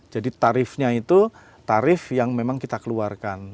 jadi tarifnya itu tarif yang memang kita keluarkan